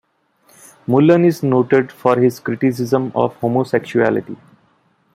Mullen is noted for his criticism of homosexuality.